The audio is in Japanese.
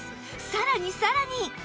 さらにさらに！